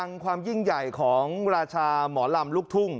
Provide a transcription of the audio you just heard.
และก็มีการกินยาละลายริ่มเลือดแล้วก็ยาละลายขายมันมาเลยตลอดครับ